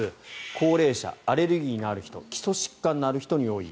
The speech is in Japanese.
高齢者、アレルギーのある人基礎疾患のある人に多い。